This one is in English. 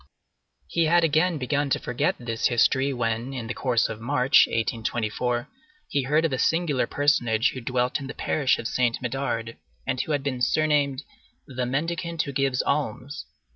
He had again begun to forget this history, when, in the course of March, 1824, he heard of a singular personage who dwelt in the parish of Saint Médard and who had been surnamed "the mendicant who gives alms."